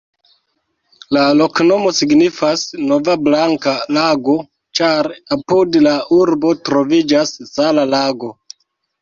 La loknomo signifas: nova-blanka-lago, ĉar apud la urbo troviĝas sala lago.